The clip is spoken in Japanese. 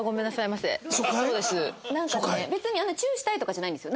別にチューしたいとかじゃないんですよ。